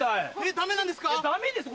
ダメなんですか？